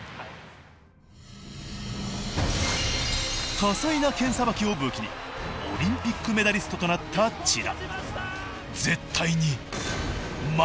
多彩な剣さばきを武器にオリンピックメダリストとなった千田。